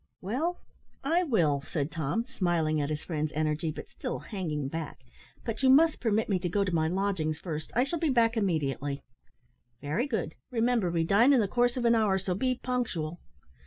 "Well, I will," said Tom, smiling at his friend's energy, but still hanging back; "but you must permit me to go to my lodgings first. I shall be back immediately." "Very good. Remember, we dine in the course of an hour, so be punctual."